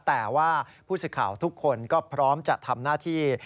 แต่ว่าผู้สิทธิ์ข่าวทุกคนก็พร้อมจะทำหน้าที่